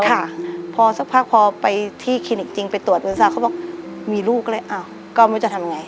ค่ะพอสักพักพอไปที่คลินิกจริงไปตรวจบริษัทเขาบอกมีลูกเลยอ้าวก็ไม่รู้จะทำไง